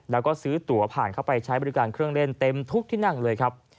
แล้วก็ซื้อตัวผ่านเข้าไปใช้บริการเครื่องเล่นเต็มทุกที่นั่งเลยครับ